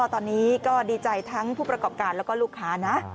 ตอนนี้ก็ดีใจทั้งผู้ประกอบการแล้วก็ลูกค้านะ